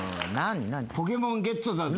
ポケモンゲットだぜ。